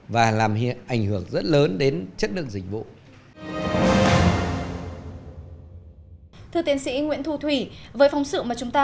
và làm hiện ảnh hưởng rất lớn đến chất lượng dịch vụ